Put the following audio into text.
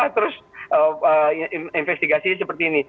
terus investigasi seperti ini